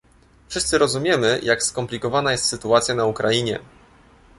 Wszyscy rozumiemy, jak skomplikowana jest sytuacja na Ukrainie